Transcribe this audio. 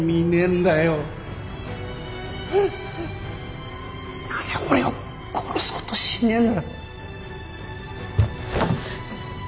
なぜ俺を殺そうとしねえんだ。